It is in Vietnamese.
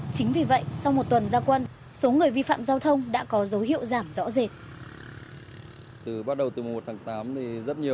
chính vì vậy sau một tuần gia quân số người vi phạm giao thông đã có dấu hiệu giảm rõ rệt